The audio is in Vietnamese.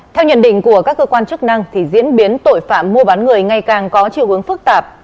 theo nhận định của các cơ quan chức năng diễn biến tội phạm mua bán người ngày càng có chiều hướng phức tạp